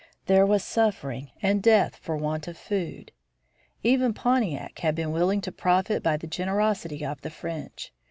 There was suffering and death for want of food. Even Pontiac had been willing to profit by the generosity of the French.